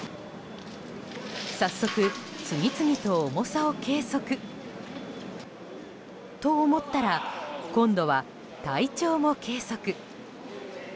早速、次々と重さを計測。と思ったら、今度は体長も計測。